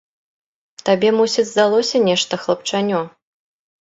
Табе, мусіць, здалося нешта, хлапчанё!